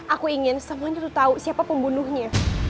aku ingin semuanya tuh tahu siapa pembunuhnya